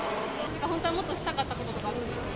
本当はもっとしたかったこととかありますか。